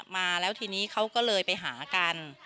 มาแล้วทีนี้เขาก็เลยไปหากัน